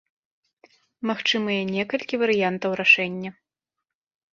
Магчымыя некалькі варыянтаў рашэння.